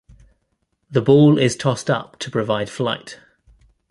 The ball is tossed up to provide flight.